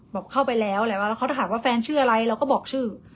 เข้าไปแล้วแหละว่าแล้วเขาจะถามว่าแฟนชื่ออะไรเราก็บอกชื่อ